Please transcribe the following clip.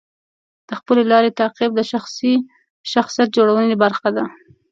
د خپلې لارې تعقیب د شخصي شخصیت جوړونې برخه ده.